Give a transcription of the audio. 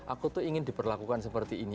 aku tuh ingin diperlakukan seperti ini